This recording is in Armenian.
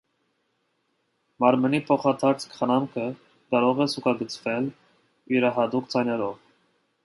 Մարմնի փոխադարձ խնամքը կարող է զուգակցվել յուրահատուկ ձայներով։